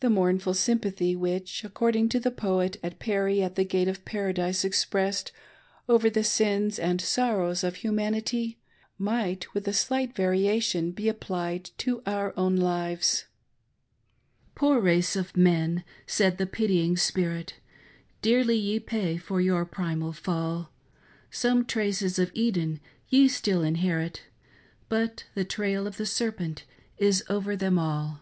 The mournful sympathy which, according to the poet, the Peri at the gate of Paradise expressed over the sins and sor rows of humanity, might, with a slight variation, be applied to our own lives :—*" Poor race of men, said the pitying spirit. Dearly ye pay for your primal fall ; Some traces of Eden ye still inherit, But the trail of the serpent is over them all."